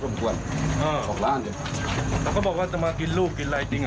จริงครับจริง